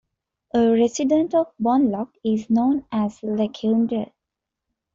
A resident of Bonloc is known as a 'Lekuindar'.